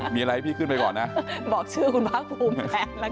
มีอะไรพี่ขึ้นไปก่อนนะบอกชื่อคุณพระภูมิแทนแล้วกัน